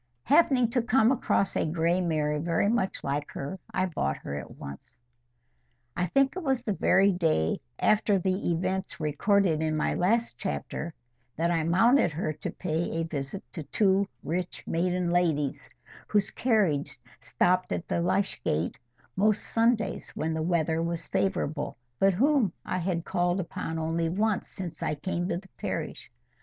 Happening to come across a gray mare very much like her, I bought her at once. I think it was the very day after the events recorded in my last chapter that I mounted her to pay a visit to two rich maiden ladies, whose carriage stopped at the Lych gate most Sundays when the weather was favourable, but whom I had called upon only once since I came to the parish.